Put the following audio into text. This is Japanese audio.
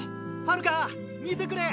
・はるか見てくれ！